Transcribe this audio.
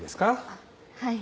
あっはい。